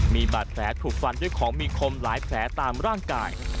มีบาดแผลถูกฟันด้วยของมีคมหลายแผลตามร่างกาย